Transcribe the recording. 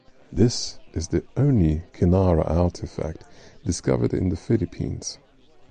This is the only kinnara artifact discovered in the Philippines.